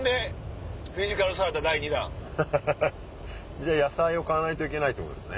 じゃあ野菜を買わないといけないってことですね。